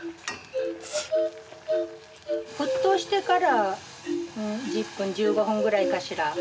沸騰してから１０分１５分ぐらいかしら。